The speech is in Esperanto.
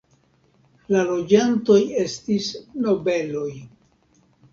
La loĝantoj estis nobeloj.